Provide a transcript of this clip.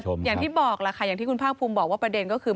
อย่างที่บอกล่ะค่ะอย่างที่คุณภาคภูมิบอกว่าประเด็นก็คือ